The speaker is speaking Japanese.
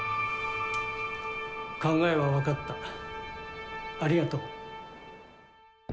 考えは分かった、ありがとう。